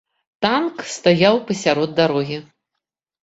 Танк стаяў пасярод дарогі.